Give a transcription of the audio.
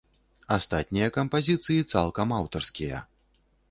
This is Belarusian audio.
Астатнія кампазіцыі цалкам аўтарскія.